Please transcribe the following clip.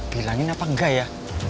bilangin apa enggak ya